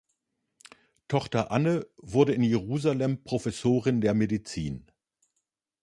Tochter Anne wurde in Jerusalem Professorin der Medizin.